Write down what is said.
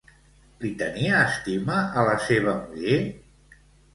Li tenia estima a la seva muller?